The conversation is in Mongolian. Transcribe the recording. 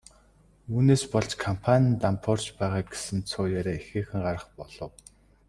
Үүнээс болж компани нь дампуурч байгаа гэсэн цуу яриа ихээхэн гарах болов.